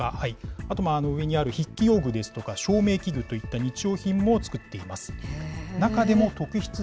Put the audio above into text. あと、上にある筆記用具ですとか、照明器具といった、日用品も作っています。